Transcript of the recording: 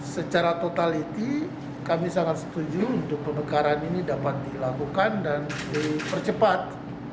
secara totaliti kami sangat setuju untuk pemekaran ini dapat dilakukan dan dipercepat